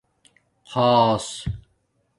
خآص